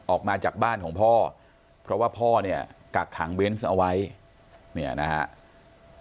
ออกมาจากบ้านของพ่อเพราะว่าพ่อเนี่ยกักขังเบนส์เอาไว้เนี่ยนะครับ